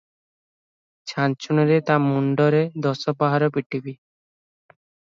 ଛାଞ୍ଚୁଣିରେ ତା ମୁଣ୍ଡରେ ଦଶ ପାହାର ପିଟିବି!